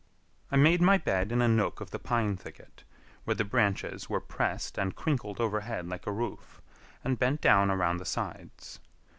I made my bed in a nook of the pine thicket, where the branches were pressed and crinkled overhead like a roof, and bent down around the sides.